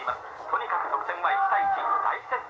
とにかく得点は１対１大接戦です」。